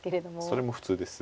それも普通です。